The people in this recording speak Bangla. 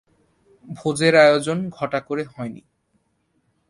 ভোজের আয়োজন ঘটা করে হয় নি।